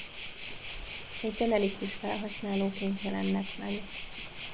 Egy generikus felhasználóként jelennek meg.